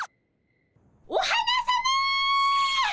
お花さま！